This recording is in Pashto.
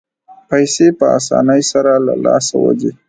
پیسې په اسانۍ سره له لاسه وځي.